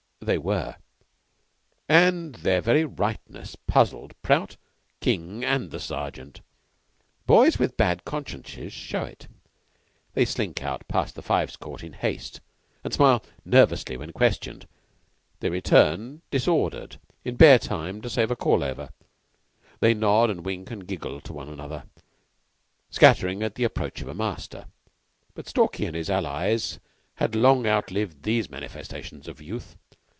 They were, and their very rightness puzzled Prout, King, and the Sergeant. Boys with bad consciences show it. They slink out past the Fives Court in haste, and smile nervously when questioned. They return, disordered, in bare time to save a call over. They nod and wink and giggle one to the other, scattering at the approach of a master. But Stalky and his allies had long out lived these manifestations of youth.